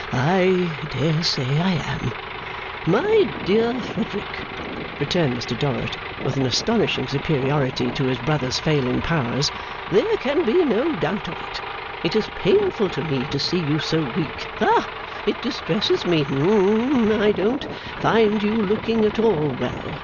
I dare say I am.' 'My dear Frederick,' returned Mr Dorrit, with an astonishing superiority to his brother's failing powers, 'there can be no doubt of it. It is painful to me to see you so weak. Ha. It distresses me. Hum. I don't find you looking at all well.